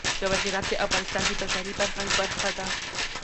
جواهرات د افغانستان د بشري فرهنګ برخه ده.